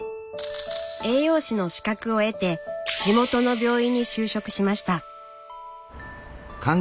栄養士の資格を得て地元の病院に就職しました。